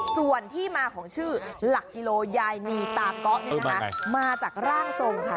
ส่วนที่มาของชื่อหลักกิโลยายนีตาเกาะมาจากร่างทรงค่ะ